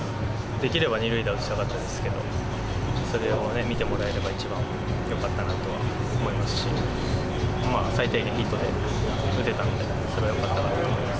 できれば２塁打打ちたかったですけど、それをね、見てもらえれば、一番よかったなとは思いますし、最低限、ヒットを打てたので、それはよかったなと思います。